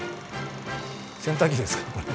洗濯機ですかこれ。